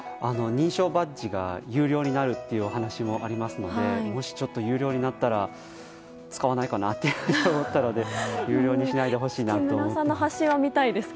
認証バッジが有料になるという話もありましたけどもし有料になったら使わないかと思ったので有料にしないでほしいなと思います。